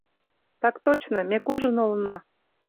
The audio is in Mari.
Так точно, ме куржын улына.